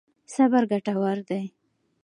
صبر ګټور دی.